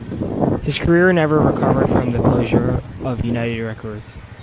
His career never recovered from the closure of United Records.